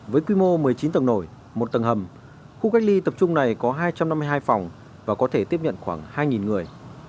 với quy mô một mươi chín tầng nổi một tầng hầm khu cách ly tập trung này có hai trăm năm mươi hai phòng và có thể tiếp nhận khoảng hai người